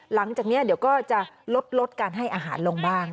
หลังจากนี้เดี๋ยวก็จะลดการให้อาหารลงบ้าง